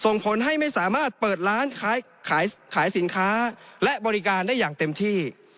ส่งผลให้ไม่สามารถเปิดร้านขายสินค้าและบริการได้อย่างเต็มที่